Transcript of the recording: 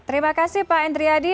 terima kasih pak endriadi